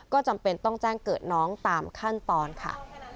ก็จำเป็นต้องแจ้งเกิดน้องตามขั้นตอนค่ะ